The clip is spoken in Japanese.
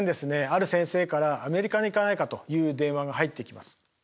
ある先生から「アメリカに行かないか」という電話が入ってきます。